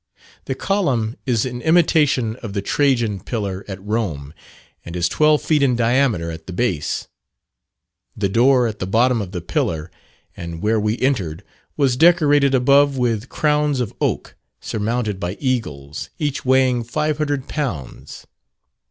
The column is in imitation of the Trajan pillar at Rome, and is twelve feet in diameter at the base. The door at the bottom of the pillar, and where we entered, was decorated above with crowns of oak, surmounted by eagles, each weighing 500 lbs.